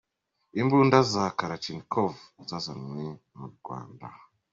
Imbunda za Kalachnikov zazanwe mu Rwanda.